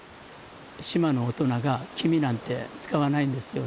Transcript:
島の大人が「君」なんて使わないんですよね。